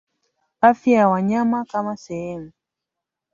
afya ya wanyama kama sehemu